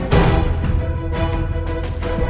ya jadi changesu saja